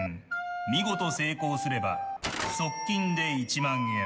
見事、成功すれば即金で１万円。